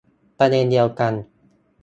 ประเด็นเดียวกัน